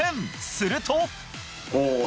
すると繊